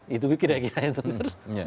ya kira kira yang tersebut